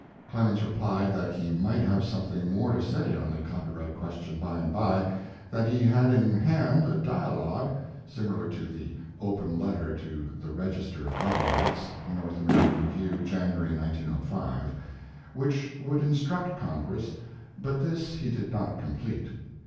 Clemens replied that he might have something more to say on the copyright question by and by that he had in hand a dialogue [Similar to the "Open Letter to the Register of Copyrights," North American Review, January, 1905.] which would instruct Congress, but this he did not complete.